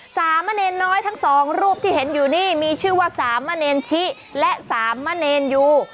สามะเนรน้อยทั้งสองรูปที่เห็นอยู่นี่มีชื่อว่าสามะเนรชิและสามมะเนรยู